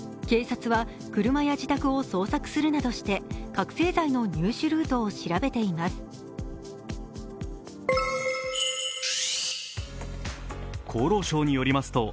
警察は車や自宅を捜索するなどして覚醒剤の入手ルートを調べています。